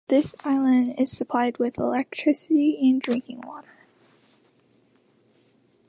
The island is supplied with electricity and drinking water.